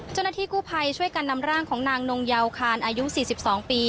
เจ้าหน้าที่กู้ไพรช่วยการนำร่างของนางนงเยาคานอายุสี่สิบสองปี